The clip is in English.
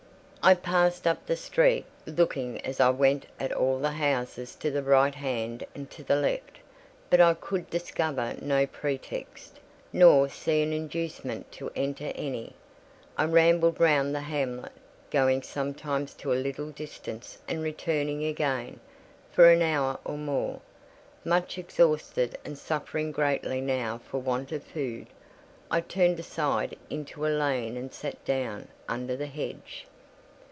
I passed up the street, looking as I went at all the houses to the right hand and to the left; but I could discover no pretext, nor see an inducement to enter any. I rambled round the hamlet, going sometimes to a little distance and returning again, for an hour or more. Much exhausted, and suffering greatly now for want of food, I turned aside into a lane and sat down under the hedge.